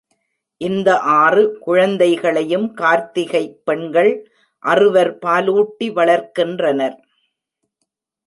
இந்த ஆறு குழந்தைகளையும் கார்த்திகைப் பெண்கள் அறுவர் பாலூட்டி வளர்க்கின்றனர்.